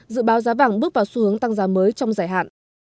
dự báo giá vàng bước vào xu hướng tăng giá mới trong giải hạn